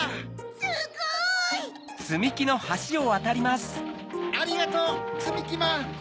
すごい！ありがとうつみきまん。